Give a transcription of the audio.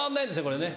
これね。